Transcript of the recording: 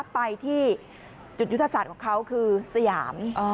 ไปที่จุดยุทธศาสตร์ของเขาคือสยาม